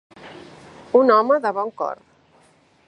Un home de bon cor.